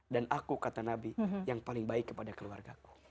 dan aku kata nabi yang paling baik kepada keluarga ku